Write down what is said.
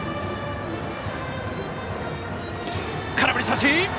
空振り三振！